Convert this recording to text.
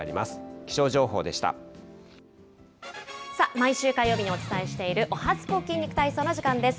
毎週火曜日にお伝えしているおはＳＰＯ筋肉体操の時間です。